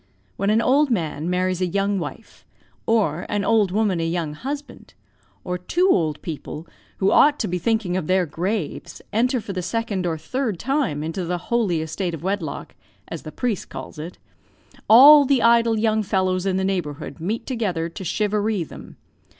When an old man marries a young wife, or an old woman a young husband, or two old people, who ought to be thinking of their graves, enter for the second or third time into the holy estate of wedlock, as the priest calls it, all the idle young fellows in the neighborhood meet together to charivari them.